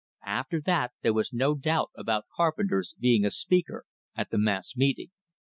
After that there was no doubt about Carpenter's being a speaker at the mass meeting!